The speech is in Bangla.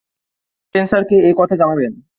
মিস স্পেন্সারকে এ কথা জানাবেন।